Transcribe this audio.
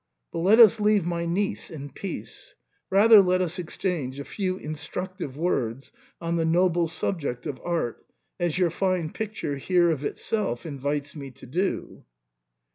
Bat let us leave my niece in peace ; rather let us exchange a few in structive words on the noble subject of art, as your fine picture here of itself invites me to do."